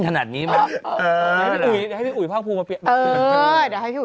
แค่นั้นมันก็แฮปปี้แล้ว